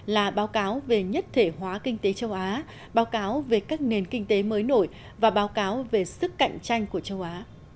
là báo cáo về nhất thể hóa kinh tế châu á báo cáo về các nền kinh tế mới nổi và báo cáo về sức cạnh tranh của châu á